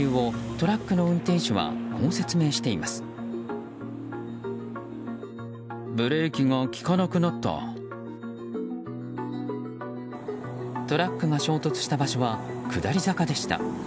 トラックが衝突した場所は下り坂でした。